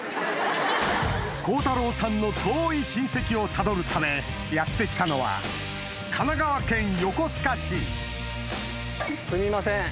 孝太郎さんの遠い親戚をたどるためやって来たのはすみません。